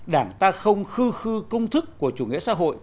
đảng ta không khư công thức của chủ nghĩa xã hội